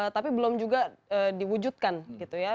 tapi belum juga diwujudkan gitu ya